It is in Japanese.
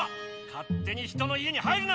かってに人の家に入るな！